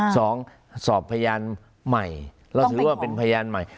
สองสอบพยานใหม่เราถือว่าเป็นพยานใหม่